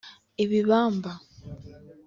ibibamba